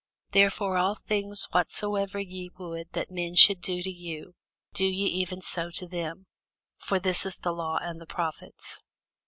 Therefore all things whatsoever ye would that men should do to you, do ye even so to them: for this is the law and the prophets.